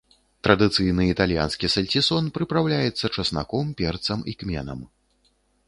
Традыцыйны італьянскі сальцісон прыпраўляецца часнаком, перцам і кменам.